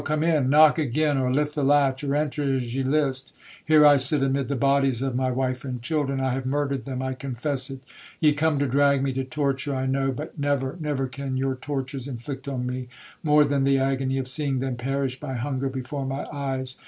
—come in—knock again, or lift the latch—or enter as ye list—here I sit amid the bodies of my wife and children—I have murdered them—I confess it—ye come to drag me to torture, I know—but never—never can your tortures inflict on me more than the agony of seeing them perish by hunger before my eyes.